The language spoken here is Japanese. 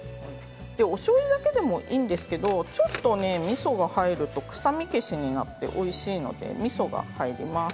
おしょうゆだけでもいいんですけれどちょっとみそが入ると臭み消しになっておいしいので、みそが入ります。